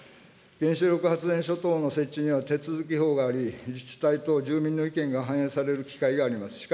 原子力発電所等の設置には、手続法があり、自治体と住民の意見が反映される機会があります。